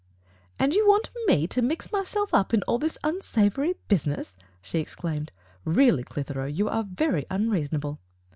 "And you want me to mfx myself up in all this unsavory business?" she exclaimed. "Really, Clitheroe, you are very unreasonable."